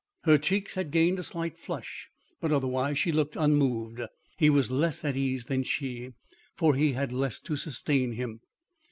Her cheeks had gained a slight flush, but otherwise she looked unmoved. He was less at ease than she; for he had less to sustain him.